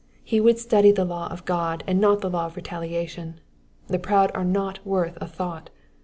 He would study the law of God and not the law of retaliation. The proud are not worth a thought.